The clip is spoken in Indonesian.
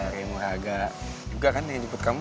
remuraga juga kan yang jemput kamu